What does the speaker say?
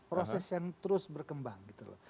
proses yang terus berkembang gitu loh